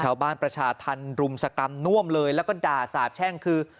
ชาวบ้านประชาทันรุมสกรำนวมเลยแล้วก็ด่าสาปแช่งคือ